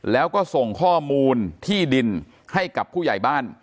แล้วก็ส่งข้อมูลที่ดินให้กับผู้ใหญ่บ้าน